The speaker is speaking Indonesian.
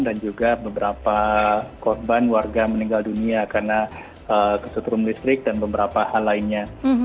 dan juga beberapa korban warga meninggal dunia karena kesetrum listrik dan beberapa hal lainnya